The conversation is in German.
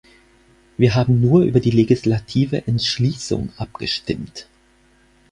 Wir haben nur über die legislative Entschließung abgestimmt.